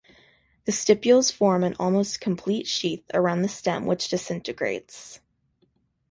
The stipules form an almost complete sheath around the stem which disintegrates.